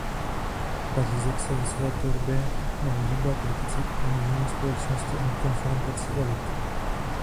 Pařízek se ve své tvorbě nevyhýbá kritice konzumní společnosti a konfrontaci elit.